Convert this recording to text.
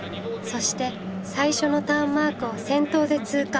そして最初のターンマークを先頭で通過。